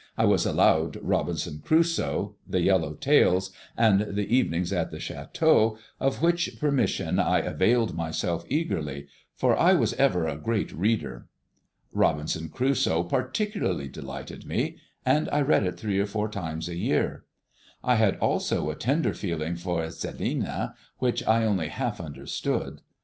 I was allowed "Robinson Crusoe," "The Yellow Tales," and "The Evenings at the Château," of which permission I availed myself eagerly, for I was ever a great reader. "Robinson Crusoe" particularly delighted me, and I read it three or four times a year. I had also a tender feeling for "Celina," which I only half understood.